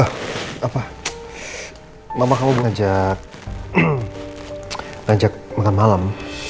eh apa mama kamu mau ajak makan malem